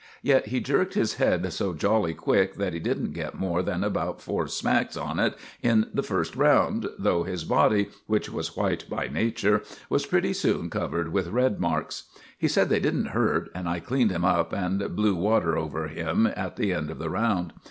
Yet he jerked his head so jolly quick that he didn't get more than about four smacks on it in the first round, though his body, which was white by nature, was pretty soon covered with red marks. He said they didn't hurt, and I cleaned him up and blew water over him at the end of the round.